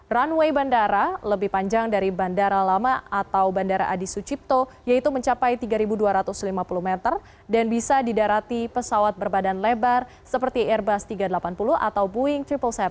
runway bandara lebih panjang dari bandara lama atau bandara adi sucipto yaitu mencapai tiga dua ratus lima puluh meter dan bisa didarati pesawat berbadan lebar seperti airbus tiga ratus delapan puluh atau boeing tujuh ratus tujuh puluh